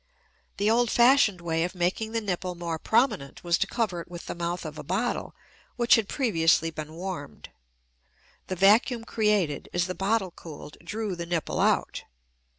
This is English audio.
The old fashioned way of making the nipple more prominent was to cover it with the mouth of a bottle which had previously been warmed. The vacuum created, as the bottle cooled, drew the nipple out.